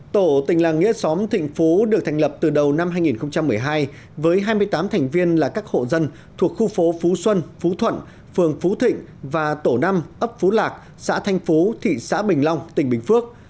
tổ tỉnh làng nghĩa xóm thịnh phú được thành lập từ đầu năm hai nghìn một mươi hai với hai mươi tám thành viên là các hộ dân thuộc khu phố phú xuân phú thuận phường phú thịnh và tổ năm ấp phú lạc xã thanh phú thị xã bình long tỉnh bình phước